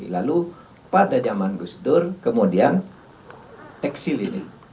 lalu pada zaman gus dur kemudian teksil ini